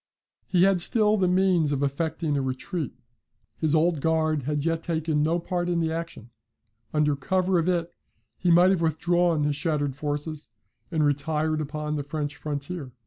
He had still the means of effecting a retreat. His Old Guard had yet taken no part in the action. Under cover of it, he might have withdrawn his shattered forces and retired upon the French frontier.